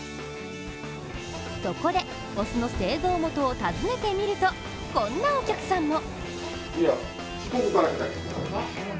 そこで、お酢の製造元を訪ねてみると、こんなお客さんも。